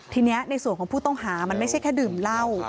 ทีนี้ในส่วนของผู้ต้องหามันไม่ใช่แค่ดื่มเหล้า